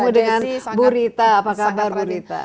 ketemu dengan bu rita apa kabar bu rita